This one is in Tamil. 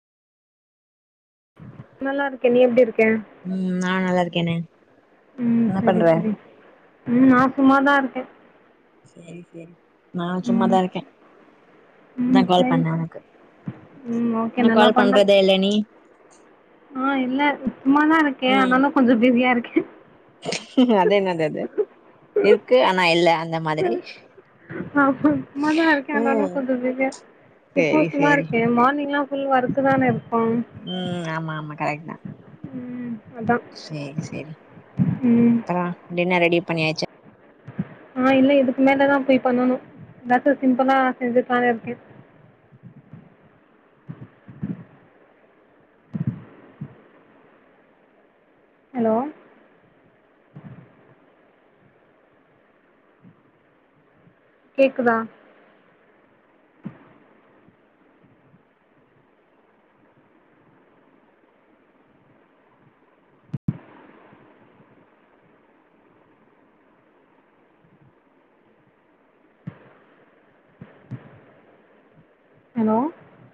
நல்லா இருக்க நீ எப்டி இருக் ம் நா நல்லா இருக்கேனே ம் என்ன சரி பண்ற சரி ம் நா சும்மாதா இருக்க சேரி சேரி நானு சும்மாதா இருக்கே அதா ம் கால் சரி பண்ண உனக்கு ம் ஓகே என்ன நல்லா கால் பண்ண பண்றதே இல்ல நீ ஆ இல்ல சும்மாதா இருக்கே ம் ஆனாலு கொஞ்சோ பிஸியா இருக்கே அது என்னது அது இருக்கு ஆனா இல்ல அந்த மாதிரி ஆமா சும்மாதா இருக்கே ஆனாலு ம் கொஞ்சோ பிஸியா இப்போ சேரி சும்மா சேரி இருக்கே மார்னிங் எல்லா ஃபுல் ஒர்க்கு தானே ம் ஆமா ஆமா கரெக்ட்தா ம் அதா சேரி சேரி ம் அப்புறோ டின்னர் ரெடி பண்ணியாச்சா ஆ இல்ல இதுக்கு மேலதாம் போய் பண்ணனு எதாச்சு சிம்புளா செஞ்சுக்கலானு இருக்கே ஹலோ கேக்குதா ஹலோ